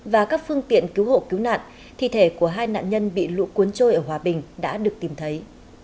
và các phương tiện cứu hộ cứu nạn thi thể của hai nạn nhân bị lũ cuốn trôi ở hòa bình đã được tìm thấy